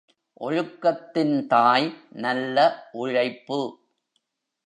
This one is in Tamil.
ஒழுக்கத்தின் தாய் நல்ல உழைப்பு.